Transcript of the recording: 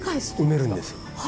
埋めるんです。